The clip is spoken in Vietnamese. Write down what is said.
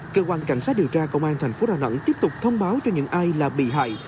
cơ quan cảnh sát điều tra công an thành phố đà nẵng tiếp tục thông báo cho những ai là bị hại